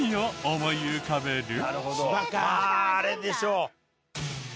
まああれでしょう。